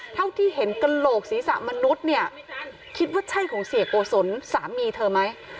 เท่าที่เห็นกระโหลกศีรษะมนุษย์เนี่ยคิดว่าใช่ของเสียโกศลสามีเธอไหม